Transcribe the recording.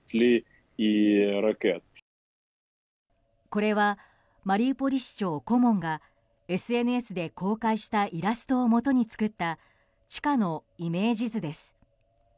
これはマリウポリ市長顧問がＳＮＳで公開したイラストをもとに作った地下のイメージ図です。